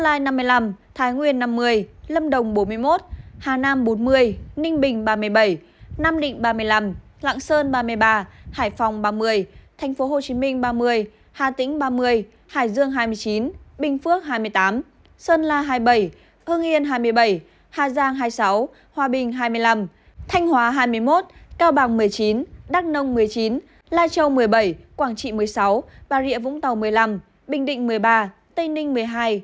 lào cai năm mươi năm thái nguyên năm mươi lâm đồng bốn mươi một hà nam bốn mươi ninh bình ba mươi bảy nam định ba mươi năm lạng sơn ba mươi ba hải phòng ba mươi thành phố hồ chí minh ba mươi hà tĩnh ba mươi hải dương hai mươi chín bình phước hai mươi tám sơn la hai mươi bảy hương yên hai mươi bảy hà giang hai mươi sáu hòa bình hai mươi năm thanh hóa hai mươi một cao bằng một mươi chín đắk nông một mươi chín lai châu một mươi bảy quảng trị một mươi sáu bà rịa vũng tàu một mươi năm bình định một mươi ba tây ninh một mươi hai quảng nam một mươi